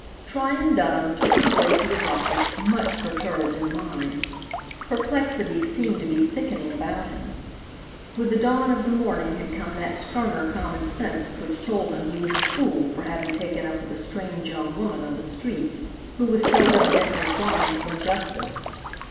Tryon Dunham took his way to his office much perturbed in mind. Perplexities seemed to be thickening about him. With the dawn of the morning had come that sterner common sense which told him he was a fool for having taken up with a strange young woman on the street, who was so evidently flying from justice.